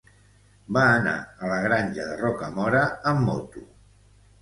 Va anar a la Granja de Rocamora amb moto.